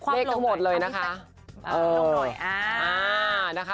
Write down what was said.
เลขทั้งหมดเลยนะคะ